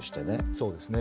そうですね。